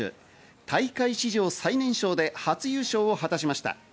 大会史上最年少で初優勝を果たしました。